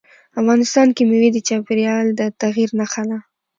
افغانستان کې مېوې د چاپېریال د تغیر نښه ده.